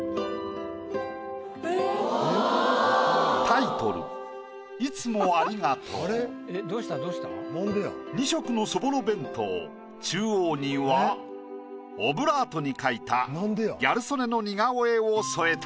タイトル２色のそぼろ弁当中央にはオブラートに書いたギャル曽根の似顔絵を添えた。